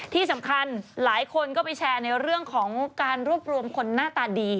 ที่สำคัญหลายคนก็ไปแชร์ในเรื่องของการรวบรวมคนหน้าตาดี